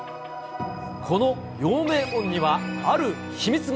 この陽明門にはある秘密が。